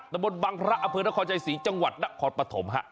ดับบนบังพระอภิราคอใจศรีจังหวัดนครปฐมฮะ